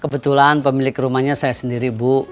kebetulan pemilik rumahnya saya sendiri bu